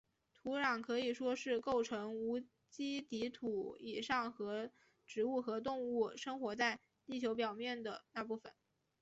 土壤可以说是构成无机底土以上和植物和动物生活在地球表面的那部分。